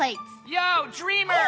・ようドリーマー！